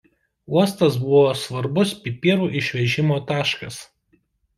Uostas buvo svarbus pipirų išvežimo taškas.